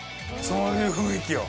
そういう雰囲気よ。